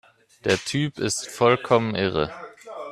Der Typ ist vollkommen irre